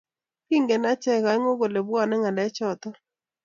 Kingingen achek aengu kole bwanee ngalechoto